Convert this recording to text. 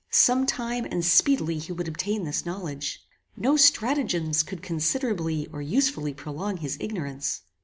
Some time and speedily he would obtain this knowledge. No stratagems could considerably or usefully prolong his ignorance.